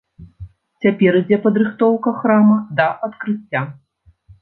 Цяпер ідзе падрыхтоўка храма да адкрыцця.